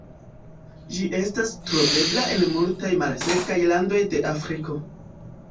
Ĝi estas trovebla en multaj malsekaj landoj de Afriko.